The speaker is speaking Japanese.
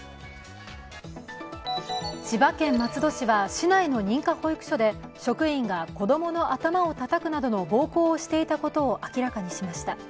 千葉県松戸市は市内の認可保育所で職員が子供の頭をたたくなどの暴行をしていたことを明らかにしました。